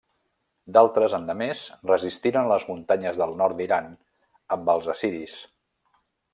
D'altres, endemés, resistiren a les muntanyes del nord d'Iran amb els assiris.